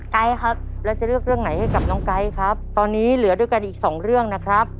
ไก๊ครับแล้วจะเลือกเรื่องไหนให้กับน้องไก๊ครับตอนนี้เหลือด้วยกันอีกสองเรื่องนะครับ